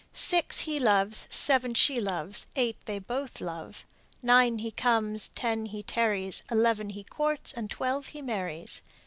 Six he loves, Seven she loves, Eight they both love. Nine he comes, Ten he tarries, Eleven he courts, And twelve he marries.